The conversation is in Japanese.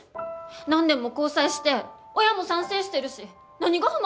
何年も交際して親も賛成してるし何が不満なわけ？